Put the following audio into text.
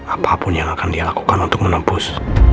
apapun yang akan dia lakukan untuk menembus